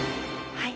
はい？